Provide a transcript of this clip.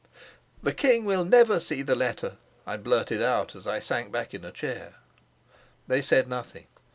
"The king will never see the letter," I blurted out, as I sank back in a chair. They said nothing.